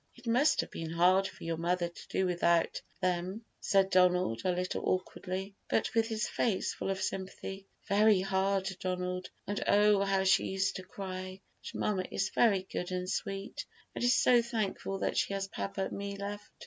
"It must have been hard for your mother to do without them," said Donald a little awkwardly, but with his face full of sympathy. "Very hard, Donald; and oh, how she used to cry; but mamma is very good and sweet, and is so thankful that she has papa and me left.